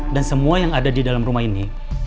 dan semua yang ada di dalam rumah ini